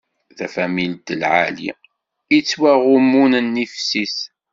Tafamilt lɛali, ittwaɣumm nnif-is.